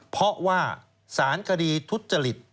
เพราะว่าสารคดีทุจริต